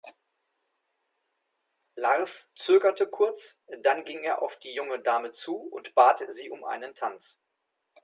Lars zögerte kurz, dann ging er auf die junge Dame zu und bat sie um einen Tanz.